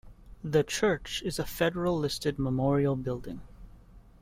The church is a federal listed memorial building.